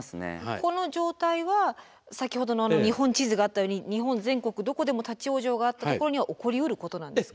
この状態は先ほどの日本地図があったように日本全国どこでも立往生があったところには起こりうることなんですか。